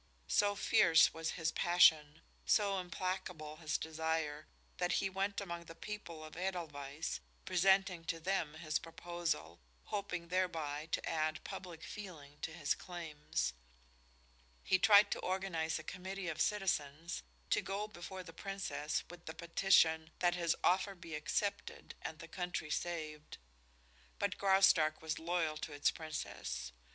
So fierce was his passion, so implacable his desire, that he went among the people of Edelweiss, presenting to them his proposal, hoping thereby to add public feeling to his claims. He tried to organize a committee of citizens to go before the Princess with the petition that his offer be accepted and the country saved. But Graustark was loyal to its Princess.